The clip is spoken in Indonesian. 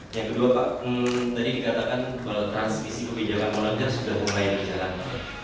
yang kedua pak tadi dikatakan bahwa transmisi kebijakan moneter sudah mulai berjalan